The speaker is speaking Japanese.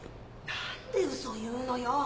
何で嘘言うのよ。